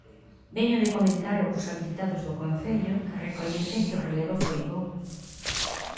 Veño de comentalo cos habilitados do Concello, que recoñecen que o relevo foi bo.